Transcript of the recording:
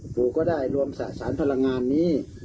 ปู่ก็ได้รวมสะสารพลังงานนี้